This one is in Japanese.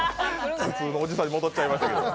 普通のおじさんに戻っちゃいましたけど。